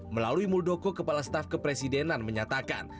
melalui muldoko kepala staf kepresidenan menyatakan